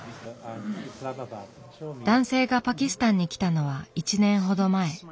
男性がパキスタンに来たのは１年ほど前。